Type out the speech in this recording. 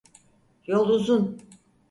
Yol uzun.